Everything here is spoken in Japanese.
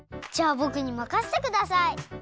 じゃあぼくにまかせてください。